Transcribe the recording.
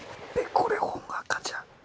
これ本垢じゃん。